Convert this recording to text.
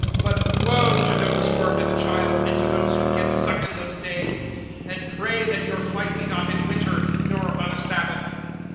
(19)But woe to those who are with child, and to those who give suck in those days! (20)And pray that your flight be not in winter, nor on a sabbath.